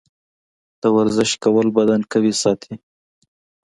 د ورزش کول بدن قوي ساتي.